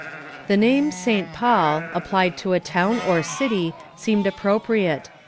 The name "Saint Paul," applied to a town or city seemed appropriate.